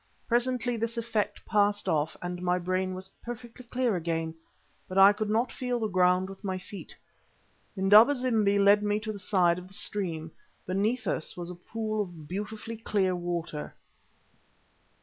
Presently this effect passed off, and my brain was perfectly clear again, but I could not feel the ground with my feet. Indaba zimbi led me to the side of the stream. Beneath us was a pool of beautifully clear water.